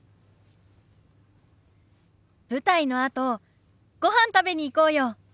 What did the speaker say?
舞台のあとごはん食べに行こうよ。